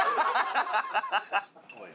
ハハハハ！